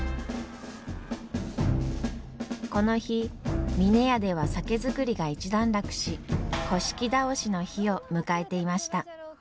この日峰屋では酒造りが一段落し倒しの日を迎えていました。